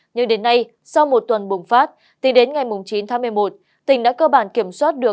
nhưng đến nay sau một tuần bùng phát tính đến ngày chín tháng một mươi một tỉnh đã cơ bản kiểm soát được